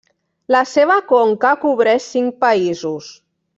La seva conca cobreix cinc països: